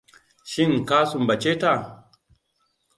Shin ka sumbace ta?